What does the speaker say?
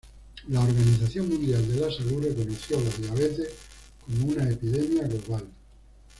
La Organización Mundial de la Salud reconoció la diabetes como una epidemia global.